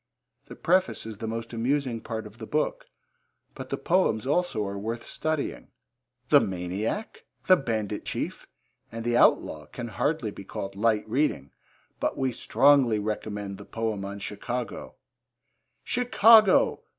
The preface is the most amusing part of the book, but the poems also are worth studying. The Maniac, The Bandit Chief, and The Outlaw can hardly be called light reading, but we strongly recommend the poem on Chicago: Chicago!